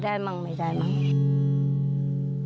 ป้าก็ทำของคุณป้าได้ยังไงสู้ชีวิตขนาดไหนติดตามกัน